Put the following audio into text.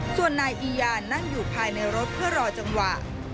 ส่วนนายอียานั่งอยู่ภายในรถเพื่อรอจังหวะ